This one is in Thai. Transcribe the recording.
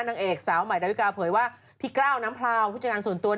นางเอกสาวใหม่ดาวิกาเผยว่าพี่กล้าวน้ำพลาวผู้จัดการส่วนตัว